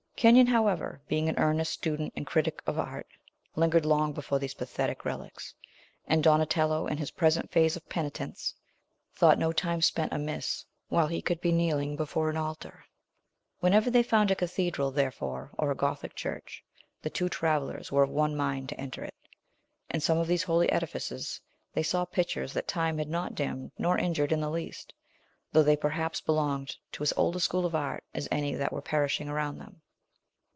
Kenyon, however, being an earnest student and critic of Art, lingered long before these pathetic relics; and Donatello, in his present phase of penitence, thought no time spent amiss while he could be kneeling before an altar. Whenever they found a cathedral, therefore, or a Gothic church, the two travellers were of one mind to enter it. In some of these holy edifices they saw pictures that time had not dimmed nor injured in the least, though they perhaps belonged to as old a school of Art as any that were perishing around them.